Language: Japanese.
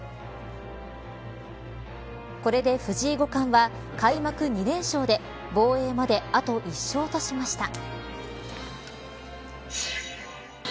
これで藤井五冠は開幕２連勝で防衛まで、あと１勝としました。